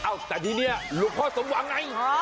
แต่ที่นี่หลวงพ่อสมหวังไง